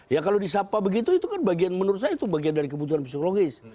ya kalau disapa begitu itu kan bagian menurut saya itu bagian dari kebutuhan psikologis